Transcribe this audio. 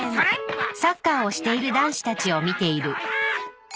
あっ